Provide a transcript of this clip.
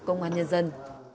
công an nhân dân